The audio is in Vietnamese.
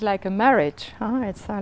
giữa việt nam và